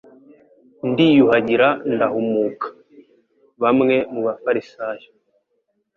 ndiyuhagira ndahumuka. Bamwe mu bafarisayo